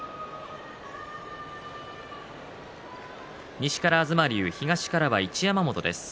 西から東龍東から一山本です。